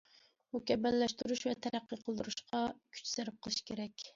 مۇكەممەللەشتۈرۈش ۋە تەرەققىي قىلدۇرۇشقا كۈچ سەرپ قىلىش كېرەك.